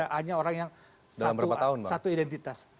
hanya orang yang satu identitas